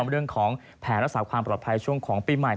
เรื่องของแผนรักษาความปลอดภัยช่วงของปีใหม่